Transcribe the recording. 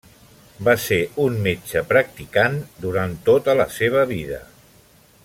Va ser un metge practicant durant tota la seva vida.